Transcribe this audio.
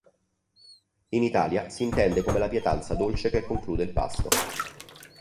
In Italia si intende come la pietanza dolce che conclude il pasto.